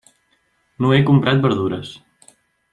No he comprat verdures.